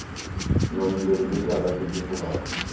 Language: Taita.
Nyonyi nderiliw'agha vijhungu vaw'o